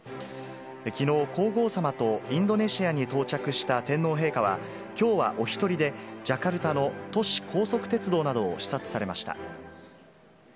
きのう、皇后さまとインドネシアに到着した天皇陛下は、きょうはお一人で、ジャカルタの都市高速鉄道などを視察されました。